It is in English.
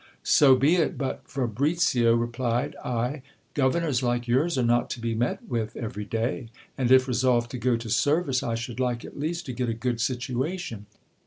So be it : but, Fabricio, replied I, governors like yours are not to be met with every day ; and if resolved to go to service, I should like at least to get a good situation.